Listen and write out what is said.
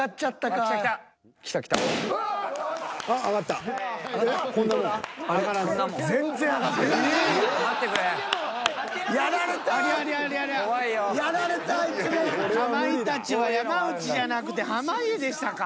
［かまいたちは山内じゃなくて濱家でしたか］